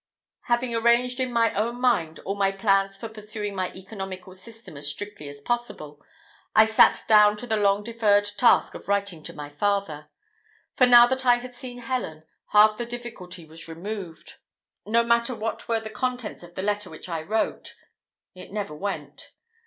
Having arranged in my own mind all my plans for pursuing my economical system as strictly as possible, I sat down to the long deferred task of writing to my father: for now that I had seen Helen, half the difficulty was removed. No matter what were the contents of the letter which I wrote; it never went.